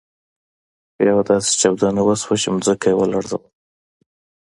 بیا یوه داسې چاودنه وشول چې ځمکه يې ولړزول.